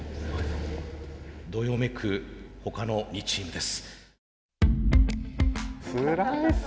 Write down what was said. どよめく他の２チームです。